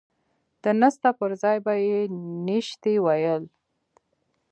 د نسته پر ځاى به يې نيشتې ويل.